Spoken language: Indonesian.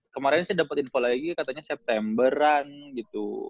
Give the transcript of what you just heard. kemarin sih dapet info lagi katanya septemberan gitu